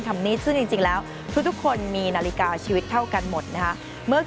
นิดซึ่งจริงแล้วทุกคนมีนาฬิกาชีวิตเท่ากันหมดนะคะเมื่อ